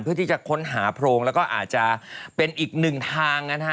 เพื่อที่จะค้นหาโพรงแล้วก็อาจจะเป็นอีกหนึ่งทางนะฮะ